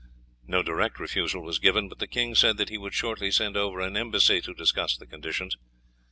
No direct refusal was given, but the king said that he would shortly send over an embassy to discuss the conditions.